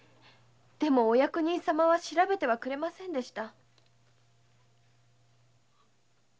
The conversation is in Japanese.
でもお役人様は調べてはくれませんでした。